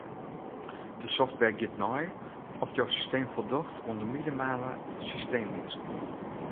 De software giet nei oft jo systeem foldocht oan de minimale systeemeasken.